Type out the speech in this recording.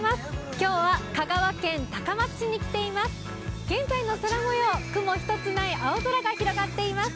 今日は香川県高松市に来ています。